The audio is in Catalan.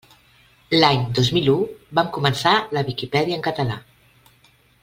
L'any dos mil u vam començar la Viquipèdia en català.